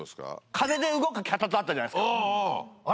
風で動く脚立あったじゃないですか。